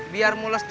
biar mulai sakit